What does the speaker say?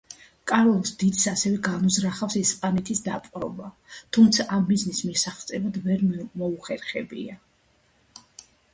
კარლოს დიდს ასევე განუზრახავს ესპანეთის დაპყრობა, თუმცა ამ მიზნის მიღწევა ვერ მოუხერხებია.